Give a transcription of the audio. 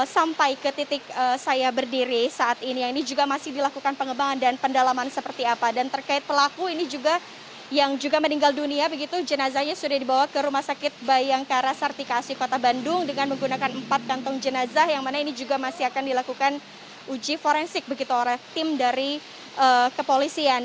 sampai ke titik saya berdiri saat ini yang ini juga masih dilakukan pengembangan dan pendalaman seperti apa dan terkait pelaku ini juga yang juga meninggal dunia begitu jenazahnya sudah dibawa ke rumah sakit bayangkara sartikasi kota bandung dengan menggunakan empat gantung jenazah yang mana ini juga masih akan dilakukan uji forensik begitu oleh tim dari kepolisian